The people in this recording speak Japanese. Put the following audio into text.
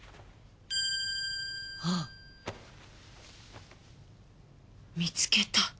あっ見つけた。